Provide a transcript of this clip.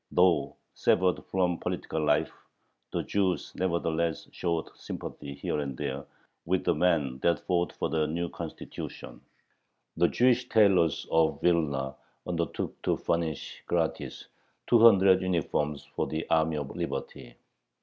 Though severed from political life, the Jews nevertheless showed sympathy here and there with the men that fought for the new Constitution. The Jewish tailors of Vilna undertook to furnish gratis two hundred uniforms for the army of liberty.